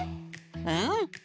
うん！